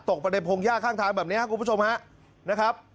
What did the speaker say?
ตกประเด็นพงษ์ย่าข้างท้ายแบบนี้ครับคุณผู้ชมครับนะครับ